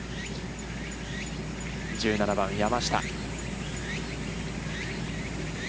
１７番、山下。